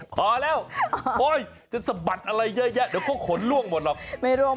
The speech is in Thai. พอเร็วโฮยจะสะบัดอะไรเยอะเดี๋ยวทำขนร่วงหมดออก